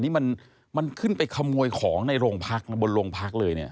นี่มันขึ้นไปขโมยของในโรงพักนะบนโรงพักเลยเนี่ย